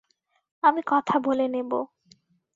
আমি কথা বলে নেবো।